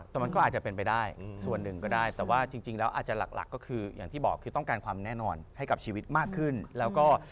แต่มันก็อาจจะเป็นไปได้ส่วนหนึ่งก็ได้แต่ว่าจริงแล้วอาจจะหลักก็คืออย่างที่บอกคือต้องการความแน่นอนให้กับชีวิตมากขึ้นแล้วก็